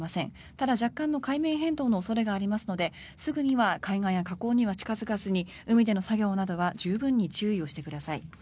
ただ、若干の海面変動の恐れがありますのですぐには海岸や河口には近付かずに海での作業などは十分注意してください。